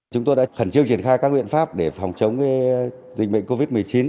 chúng tôi đã khẩn trương triển khai các biện pháp để phòng chống dịch bệnh covid một mươi chín